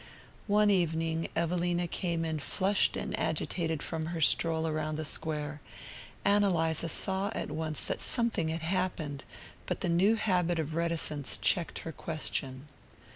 One evening Evelina came in flushed and agitated from her stroll around the Square. Ann Eliza saw at once that something had happened; but the new habit of reticence checked her question.